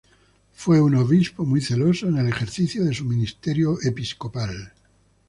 Fue un obispo muy celoso en el ejercicio de su ministerio episcopal.